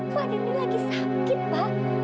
fadil ini lagi sakit ma